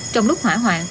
trong lúc hỏa hoạn